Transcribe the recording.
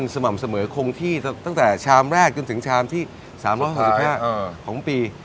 สม่ำเสมอคงที่ตั้งแต่ชามแรกจนถึงชามที่๓๖๕ของปี